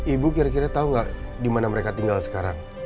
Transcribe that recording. ibu kira kira tau gak dimana mereka tinggal sekarang